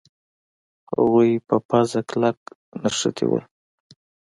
هغوی په پوزه کلک نښتي وو.